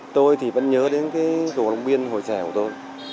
tôi thì vẫn nhớ đến cái cầu long biên hồi trẻ của tôi